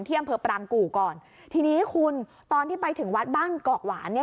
อำเภอปรางกู่ก่อนทีนี้คุณตอนที่ไปถึงวัดบ้านเกาะหวานเนี่ย